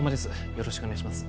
よろしくお願いします